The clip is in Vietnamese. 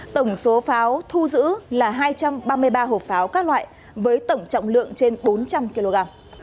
tổng số pháo thu giữ là hai trăm ba mươi ba hộp pháo các loại với tổng trọng lượng trên bốn trăm linh kg